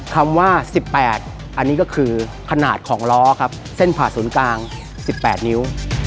คำว่า๑๘อันนี้ก็คือขนาดของล้อครับเส้นผ่าศูนย์กลาง๑๘นิ้ว